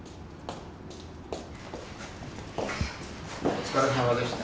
お疲れさまでした。